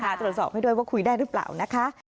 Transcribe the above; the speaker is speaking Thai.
ตรวจสอบให้ด้วยว่าคุยได้หรือเปล่านะคะ